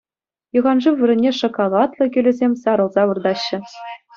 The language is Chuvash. Юханшыв вырӑнне шоколадлӑ кӳлӗсем сарӑлса выртаҫҫӗ.